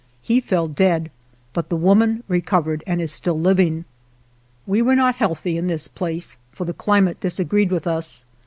He fell dead, but the woman recovered and is still living. We were not healthy in this place, for the climate disagreed with us.